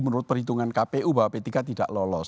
menurut perhitungan kpu bahwa p tiga tidak lolos